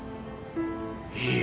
いいよ！